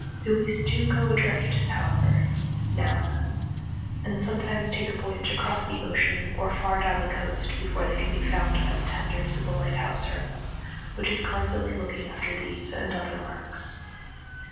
Buoys do go adrift, however, now and then, and sometimes take a voyage across the ocean or far down the coast before they can be found by the tenders of the Lighthouse Service, which is constantly looking after these and other marks.